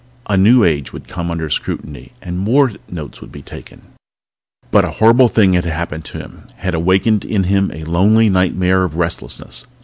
A new age would come under scrutiny and more notes would be taken. But a horrible thing that had happened to him, had awakened in him a lonely nightmare of restlessness.